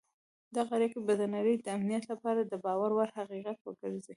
دغه اړیکي به د نړۍ د امنیت لپاره د باور وړ حقیقت وګرځي.